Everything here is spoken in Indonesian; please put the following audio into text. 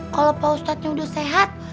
kalau pak ustadznya udah sehat